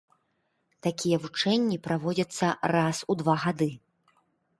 Такія вучэнні праводзяцца раз у два гады.